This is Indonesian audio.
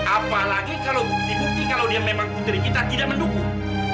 apalagi kalau bukti bukti kalau dia memang putri kita tidak mendukung